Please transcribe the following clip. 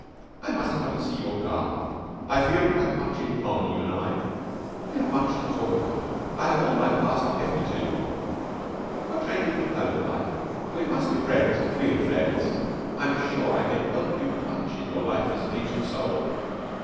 I must come and see your garden.... I feel that we have much in common, you and I.... We have much to talk about.... I have all my past life to tell you of ... what train do you come home by?... We must be friends real friends.... I'm sure I can help you much in your life as an Ancient Soul....